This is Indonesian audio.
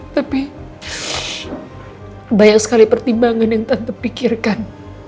tapi banyak sekali pertimbangan yang tantepikirkan